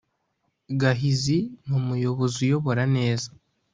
gahizi ni umuyobozi uyobora neza.